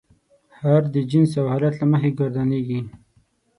هر د جنس او حالت له مخې ګردانیږي.